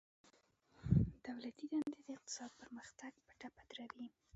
دولتي دندي د اقتصاد پرمختګ په ټپه دروي